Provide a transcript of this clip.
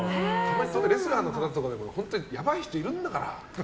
レスラーの方とかでもやばい人いるんだから。